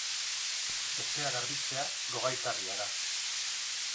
Etxea garbitzea gogaikarria da.